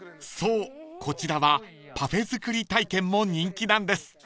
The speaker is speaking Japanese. ［そうこちらはパフェ作り体験も人気なんです］